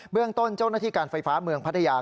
เรื่องต้นเจ้าหน้าที่การไฟฟ้าเมืองพัทยา